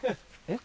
え？